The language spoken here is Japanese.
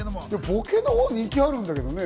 ボケのほうが人気あるんだけどね。